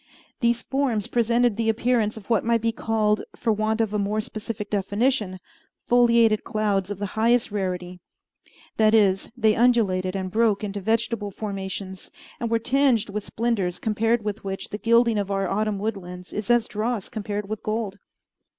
These forms presented the appearance of what might be called, for want of a more specific definition, foliated clouds of the highest rarity that is, they undulated and broke into vegetable formations, and were tinged with splendors compared with which the gilding of our autumn woodlands is as dross compared with gold.